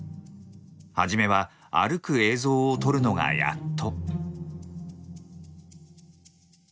初めは歩く映像を撮るのがやっと。